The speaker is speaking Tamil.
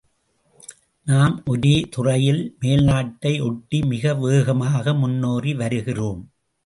நாம் ஒரே ஒரு துறையில் மேல்நாட்டை ஒட்டி மிக வேகமாக முன்னேறி வருகிறோம்.